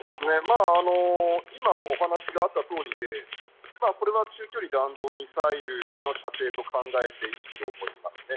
今、お話があったとおりでこれは中距離弾道ミサイルの射程と考えていいと思いますね。